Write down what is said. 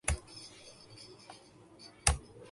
زرداری صاحب نے کیا تو ان کا انجام ہمارے سامنے ہے۔